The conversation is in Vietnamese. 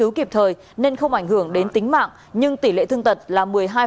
cứu kịp thời nên không ảnh hưởng đến tính mạng nhưng tỷ lệ thương tật là một mươi hai